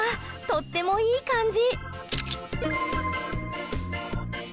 とってもいい感じ！